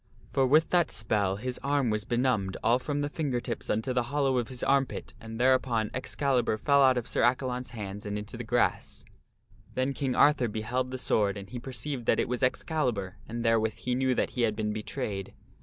For with that spell his arm was benumbed all from the finger tips unto the hollow of his armpit, and thereupon Excalibur fell out of Sir Accalon's hands and into the grass. Then King Arthur beheld the sword and he perceived that it was Ex calibur and therewith he knew that he had been betrayed.